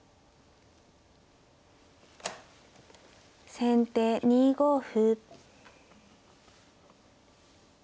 先手２五歩。